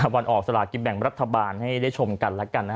วันออกสลากินแบ่งรัฐบาลให้ได้ชมกันแล้วกัน